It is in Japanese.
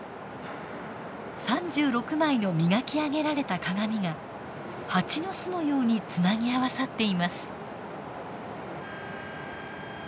３６枚の磨き上げられた鏡が蜂の巣のようにつなぎ合わさっています。